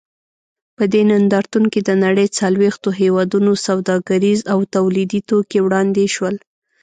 په دې نندارتون کې د نړۍ څلوېښتو هېوادونو سوداګریز او تولیدي توکي وړاندې شول.